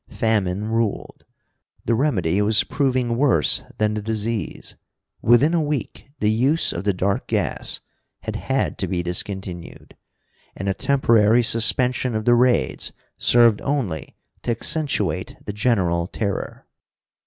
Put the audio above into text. Famine ruled. The remedy was proving worse than the disease. Within a week the use of the dark gas had had to be discontinued. And a temporary suspension of the raids served only to accentuate the general terror.